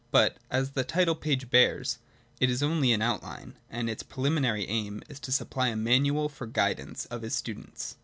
But, as the title page bears, it is only an outline ; and its primary aim is to supply a manual for the guidance of his students.